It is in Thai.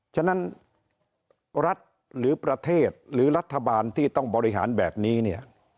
ฉะนั้นรัฐหรือประเทศหรือรัฐบาลที่ต้องบริหารแบบนี้เนี่ย